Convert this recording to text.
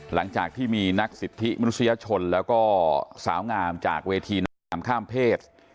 หลังจากที่มีนักสิทธิมนุษยชนแล้วก็สาวงามจากเวทีนางแหลมข้ามเพศ